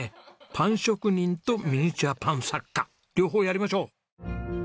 パン職人とミニチュアパン作家両方やりましょう！